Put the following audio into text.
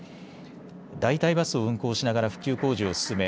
代替バスを運行しながら復旧工事を進め